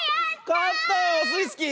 かったよオスイスキー！